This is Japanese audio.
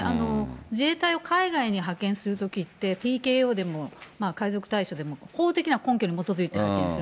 自衛隊を海外に派遣するときって、ＰＫＯでもでも法的な根拠に基づいているわけなんですね。